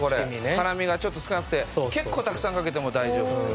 辛みがちょっと少なくて結構たくさんかけても大丈夫という。